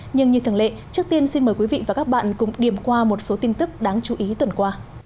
nhưng như thường lệ trước tiên xin mời quý vị và các bạn cùng điểm qua một số tin tức đáng chú ý tuần qua